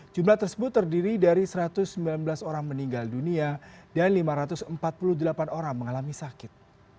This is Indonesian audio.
jumlah tersebut terdiri dari satu ratus sembilan belas orang meninggal dunia dan lima ratus empat puluh delapan orang mengalami sakit